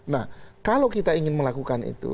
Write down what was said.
nah kalau kita ingin melakukan itu